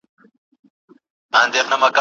جانان پاته پر وطن زه یې پرېښودم یوازي